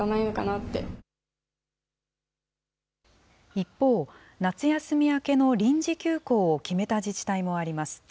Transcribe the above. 一方、夏休み明けの臨時休校を決めた自治体もあります。